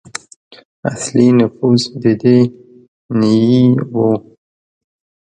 اصلي نفوس د دې نیيي وو.